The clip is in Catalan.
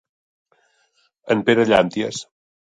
En Pere Llànties.